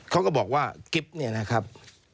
เขาก็บอกว่ากิ๊บเนี่ยนะครับ